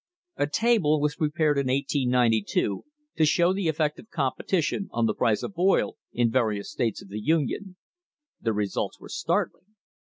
A table was prepared in 1892 to show the effect of competition on the price of oil in various states of the Union. The results were startling.